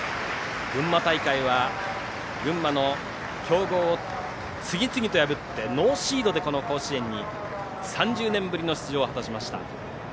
群馬大会は群馬の強豪を次々と破ってノーシードで甲子園に３０年ぶりの出場を果たしました。